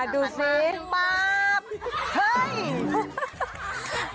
ดูคนผูกบอกให้หน่อย